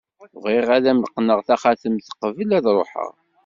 Bɣiɣ ad am-qqneɣ taxatemt qbel ad ruḥeɣ.